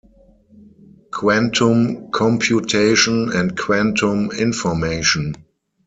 "Quantum Computation and Quantum Information".